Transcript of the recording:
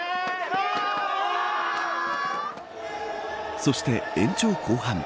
そして、延長後半。